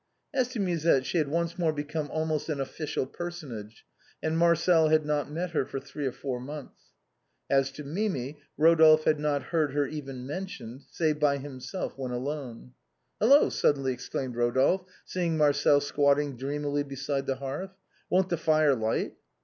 As to Musette, she had once more become almost an official personage, and Marcel had not met her for three or four months. As to Mimi, Eodolphe had not heard her even mentioned, save by himself when alone. " Hello !" suddenly exclaimed Eodolphe, seeing Marcel squatting dreamily beside the hearth, "won't the fire light?"